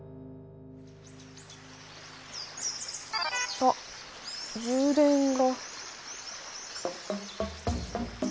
あっ充電が。